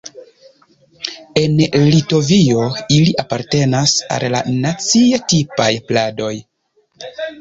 En Litovio ili apartenas al la nacie tipaj pladoj.